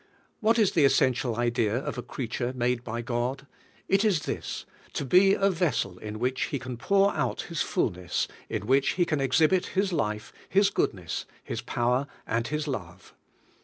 What is the essential idea of a creature made by God? It is this: to be a vessel in which He can pour out His fullness, in which He can exhibit His life, His goodness. His power, and His love.